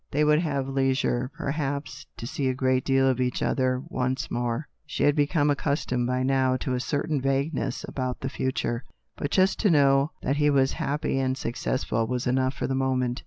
They would have leisure, perhaps, to see a great deal of each other once more. She had become accustomed by now to a certain A COMEDY IN REAL LIFE. 203 vagueness about the future. But just to know that he was happy and successful was enough for the moment.